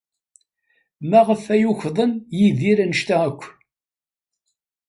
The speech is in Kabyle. Maɣef ay ukḍen Yidir anect-a akk?